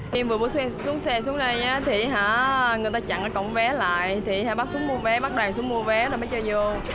khi vừa xuống xe xuống đây người ta chặn cổng vé lại bắt đoàn xuống mua vé rồi mới cho vô